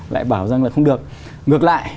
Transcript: lại bảo rằng là không được ngược lại